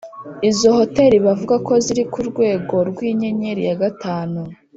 izo hotel bavuga ko ziri ku rwego rw’inyenyeri ya gatanu